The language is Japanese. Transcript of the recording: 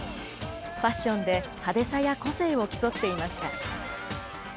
ファッションで派手さや個性を競っていました。